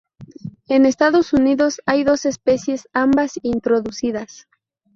En Estados Unidos hay dos especies, ambas introducidas.